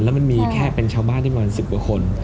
แล้วมันมีแค่เป็นชาวบ้านที่ประมาณ๑๐กว่าคน